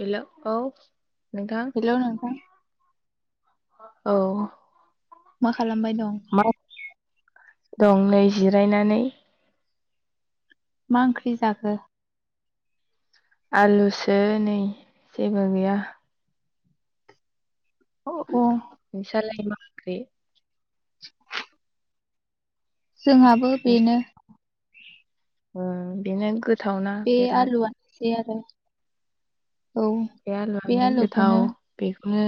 हेल' औ । हेल' नोंथां । औ । मा खालामबाय दं । दं नै जिरायनानै । मा ओंख्रि जाखो? आलुसो नै जेबो गैया । अह अह। नोंसालाय मा ओंख्रि? [inaudible] जोंहाबो बेनो । ओम बेनो गो बे आलुआनो सै आरो। औ बे आलु'खौनो बेनो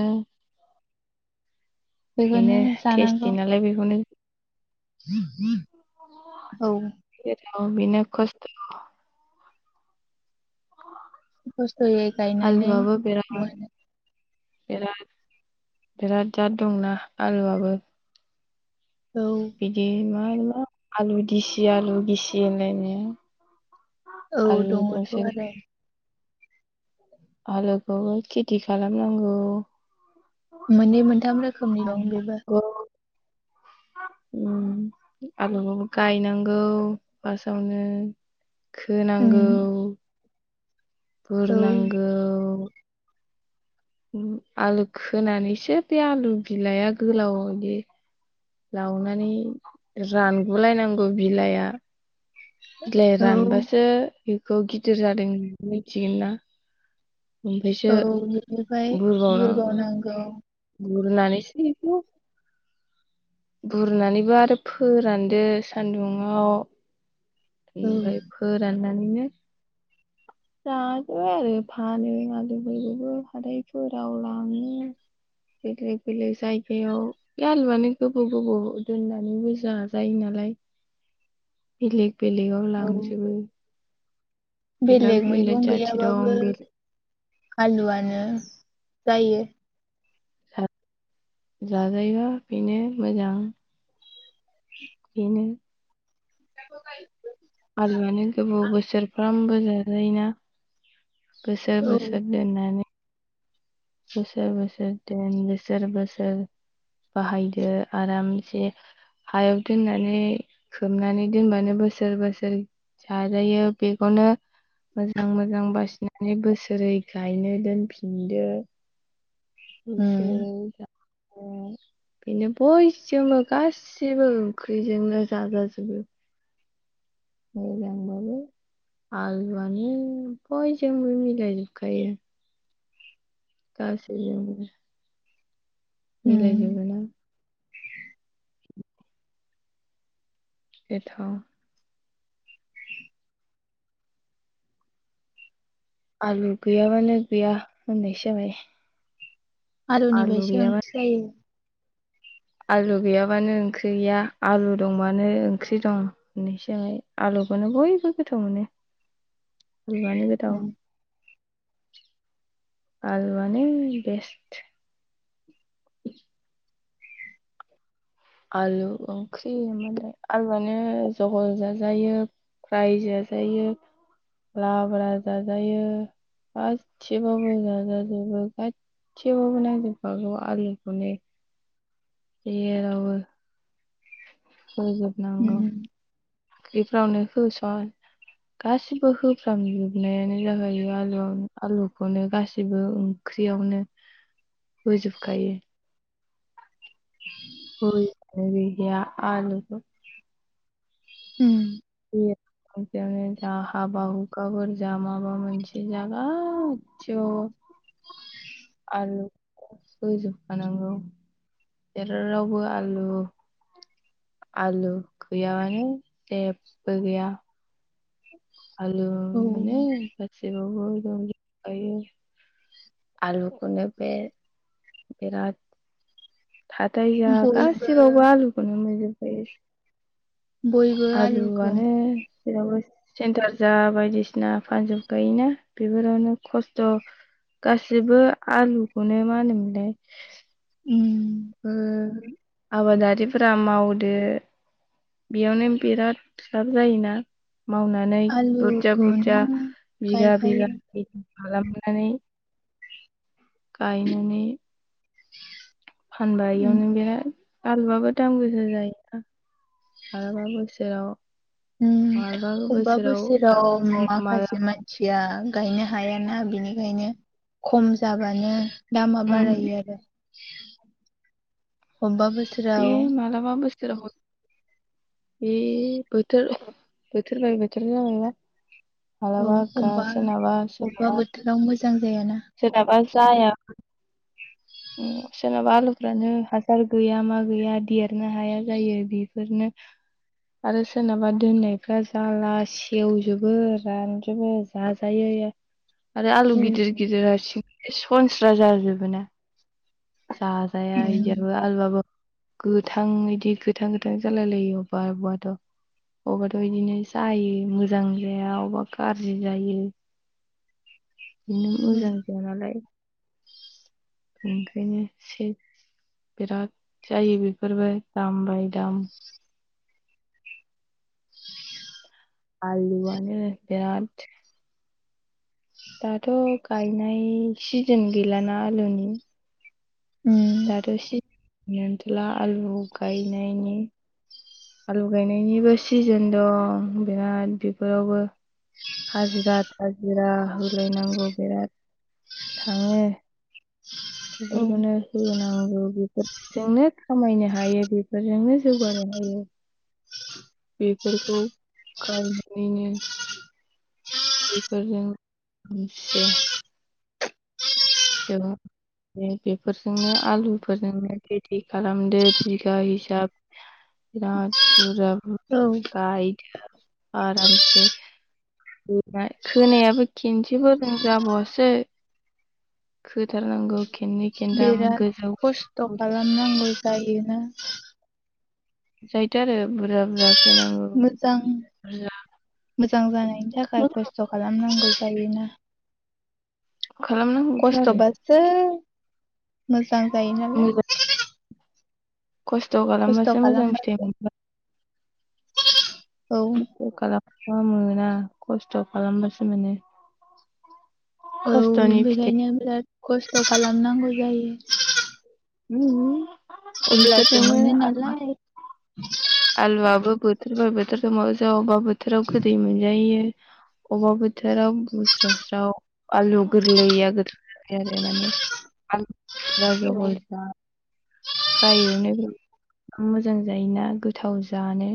बेखौनो बेनो टेस्टि नालाय बेखौनो हम हम। [unintelligible] औ। औ बिनो खस्थ खस्थ'यै गायनानै आलुआबो बिराद मोनो । बिराद बिराद जाद दंना आलुआबो। औ बिदि आलु दिसि आलु दिसि होनलायनाया। औ आलु दङथ' दंसो आरो आलुखौबो खेथि खालामनांगौ। मोननै मोनथाम रोखोमनि दं बेबो उम आलुखौ गायनांगौ फार्स्टआवनो उम खोनांगौ। औ बुरनांगौ। आलु खोनानैसो बे आलु बिलाया गोलावदि लावनानै रानगुलायनांगौ बिलाइआ। बिलाय औ रानबासो बेखौ गिदिर जादों होननानै मिथिगोन ना। ओमफ्रायसो औ बिनिफ्राय बुरबाव बुरबावनांगौ नांगौ। बुरनानैसो बुरनानैबो आरो फोरानदो सानदुंआव। औ बेनिफ्राय फोरानना [unintelligible] जाजोबबाय आरो फानो आलुफोरखौबो हाथायफोराव लाङो बेलेग बेलेग जायगायाव बे आलुआनो गोबाव गोबाव दोननानै बुरजा जायो नालाय बेलेग बेलेगाव औ लांजोबो। बेलेग मैगं जाथि गैयाबाबो दं बेलेग आलुआनो जायो। जाजायो बेनो मोजां। बिनो [unintelligible] आलुआनो गोबाव बोसोरफ्रामबो जाजायोना? बोसोर औ बोसोर दोननानै बोसोर बोसोर दोन बोसोर बोसोर बाहायदो आरामसे हायाव दोननानै खोबनानै दोनबानो बोसोर बोसोर जाजायो बेखौनो मोजां मोजां बासिनानै बोसोरै गायनो दोनफिनदो। उम बोसोर जा ओम बेनो बयजोंबो गासिबो ओंख्रिजोंनो जाजाजोबो मोजांबाबो आलुआनो बयजोंबो मिलायजोबखायो गासैजोंबो मिलाय उम जोबो ना? बेथाव आलु गैया बानो गैया होननायसो जाबाय। आलुनि आलु बायसो गैयाबानो ओंख्रि जायो। आलु गैयाबानो ओंख्रि गैया आलु दंबानो ओंख्रि दं होननायसो जाबाय आलुखौनो बयबो गोथाव मोनो। लुआनो गोथाव। उम आलुआनो बेस्ट। आलु ओंख्रि मालाय आलुआनो जहल जाजायो फ्राय जाजायो लाब्रा जाजायो गासिबबावबो जाजाजोबो गाससिबावबो नांजोबखागौ आलुखौनो। जेरावबो होजोब नांगौ। उम ओंख्रिफ्रावनो होसन गासिबो होफ्रामजोबनायानो जाहायो आलुआव आलुखौनो गासिबो ओंख्रियावनो होजोबखायो। [unintelligible] आलु उम यावनो जा हाबा हुखाफोर जा माबा मोनसे जा गासिबावबो आलुखौनो होजोबखानांगौ जेरावबो आलु। आलु गैयाबानो जेबो गैया। आलु माने औ गासिबाव [unintelligible] आलुखौनो बे बिराद हाथाय जा बयबो गासिबावबो आलुखौनो मोनजोब । बे बयबो आलुखौ आलुआनो जेरावबो सेन्थार जा बायदिसिना फानजोब गायोना बेफोरावनो खस्थ' गासिबो आलुखौनो मा होनोमोनलाय? उम बो आबादारिफोरा मावदो बेयावनो बिराद लाब जायोना? मावनानै बुरजा बुरजा आलुखौनो बिगा बिघा गायखायो खालामनानै गायनानै फानबाय उम इयावनो बेराद आलुआबो दाम गोसा जायो माब्लाबा बोसोराव। उम मालाबा अबबा बोसोराव दाम खम माखासे मालाबा मानसिया। गायनो हायाना बिनिखायनो खम जाबानो। दामा उम बारायो आरो। अमबाबो बे मालाबा बोसोराव। बे बोथोर बोथोर बाय बोथोर जाबाय बा। औ अबा अबेबा बोथोराव मोजां। जायाना सोरनाबा जाया सोरनाबा आलुफ्रानो हासार गैया मा गैया देरनो हाया जायो बेफोरनो आरो सोरनाबा दोननायफ्रा जाला सेवजोबो रानजोबो जाजायो। आरो आलु उम गिदिर। सनस्रा जाजोबो ना। जाया उम इदियिबो आलुआबो। गोथां बिदि गोथां गोथां जालाय लायो अबेबा अबेबाथ' अबावबाथ' बिदिनो जायो मोजां जाया अबेबा गाज्रि जायो बिनो उम मोजां जाया नालाय [unintelligible] ओखायनो सेस बिराद जायो बेफोरबो दाम बाय दाम । आलुआनो बेराद दाथ' गायनाय सिजोन गैलाना आलुनि उम दाथ सि गैथ'ला आलु गायनायनि आलु गायनायनिबो सिजोन दं बिराद बेफोरावबो हाजिरा थाजिरा होलायनांगौ बिराद थाङो बेफोरखौनो औ होनांगौ बेफोरजोंनो खामायनो हायो बेफोरजोंनो जौगानो हायो। बेफोरखौ गायनानैनो बेफोरजों एसे जों बेफोरजोंनो आलुफोरजोंनो रेदि खालामदो बिगा हिसाब बिराद बुरजा औ बुरजा गायदो आरामसे खोनायाबो खनसेफोरजों जाबावासै । खोथारनांगौ खेनथाम बिराद गोजौ खस्थ' गोजौ खालामनांगौ जायोना जायोथ' आरो बुरजा बुरा मोजां मोजां जानायनि थाखाय मोजां खस्थ' खालामनांगौ जायोना खालामनांगौथो खस्थ' आरो बासो मोजां जायो नालाय मोजां खस्थ' खस्थ' खालामबासो मोजां फिथाइ खालामबासो मोनोबा औ खालामाबा मोना खस्थ' खालामबासो मोनो । औ बेखायनो बिराद खस्थ' खालामनांगौ जायो । उ अब्लासो मोनोनालाय [unintelligible] आलुआबो बोथोरबा बोथोर समावसो अबावबा बोथ बोथोराव गोदै मोनजायो अबेबा बोथोराव बुस्राव स्राव आलु गोरलैया गोथां जाबाय आरो माने आलु राजु औ हलज फ्राय एवनोबो मोजां जायोना गोथाव जानो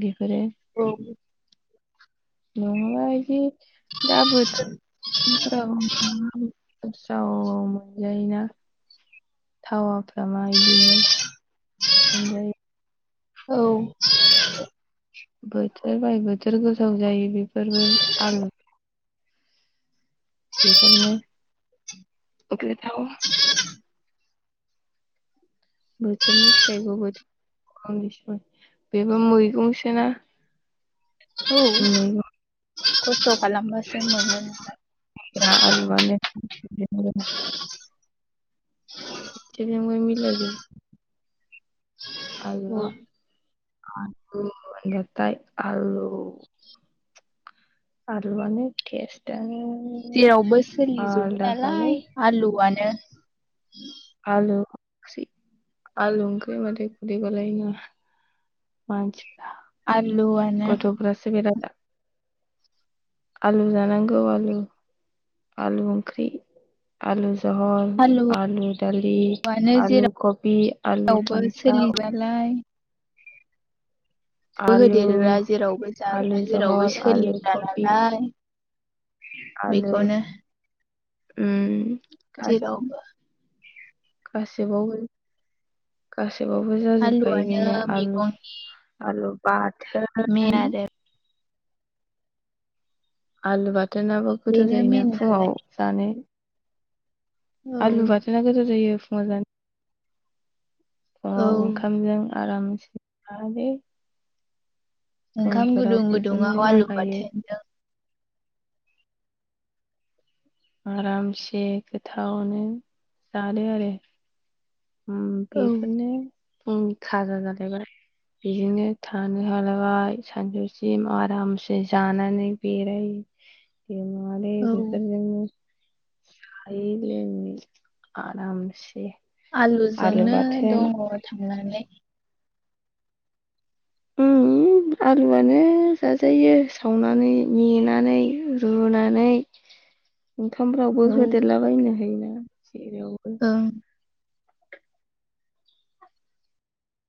दे औ नङाबा बिदि दा बोथोर फ्राव स मजाय ना - - थावाफ मा इदिनो मोनजाय औ बोथोर बाय बोथोर गोजाव जायो बेफोरबो आल बेफोरनो गोथाव बोथोरनि फिथाइखौबो खस बेबोा मैगं सोना औ खथ' खालाम खालाम बासो मोनज आलुआनो गासिबजोंबो आ औ आ अ बाथ आलु आलुवान टेस्ट आनो जेरावबो सोलिजोबो नालाय आलुआनो ए आलु आलु ओंख्रि होन बाथाय [inaudible] आलुआनो बिराद आलु जानांगौ आलु आलु ओंख्रि आलु जहल आलु दालि आलुआनो आलु कबि आलु जेरावबो फान्थ सोलियो ब आलु होदेरग्रा जेरावबो आलु जाग्रा जेरावबो जहल आलु सोलिग्रा कबि नालाय आलु बेखौनो [inaudible] जेरावबो खासि बाव थेबावबो जाजोबखायो आलुआनो बिनो आलु मैगंनि आलु बा [inaudible] मेन आरो आलु बाथोन - देनाबो गोथाव बेनो जायोना मेन नालाय फुङाव जानो औ आलु बाथोना गोथाव जायो । मोजां अ औ ओंखाम जों आरामसे जादे ओंखाम गुदुं बेफोरनो गुदुङाव आलु जाखायो बाथोनजों आरामसे गोथावनो जानो आरो । ओम औ बेफोरनो । फुंनि खाजा जालायबाय बिजोंनो थानो हालायबाय सानजौसिम आरामसे जानानै बेराय बेमाने औ बेफोरजोंनो सायोलै आरामसे। आलु आलुजोंनो बाथोन दङ थांनानै। ओम आलुआनो जाजायो सावनानै, मेनानै, रुनानै ओंखामफ्रावबो औ होदेरलाबायनो हायोना। [unintelligible] एवगो ओं